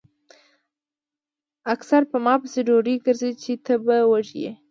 اکثر پۀ ما پسې ډوډۍ ګرځئ چې تۀ به وږے ئې ـ